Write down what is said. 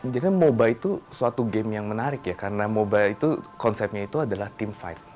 jadi moba itu suatu game yang menarik ya karena moba itu konsepnya itu adalah team fight